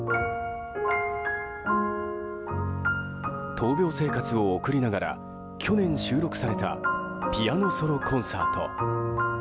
闘病生活を送りながら去年収録されたピアノソロコンサート。